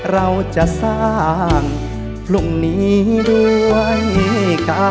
เราจะสร้างพรุ่งนี้ด้วยกัน